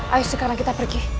ayo sekarang kita pergi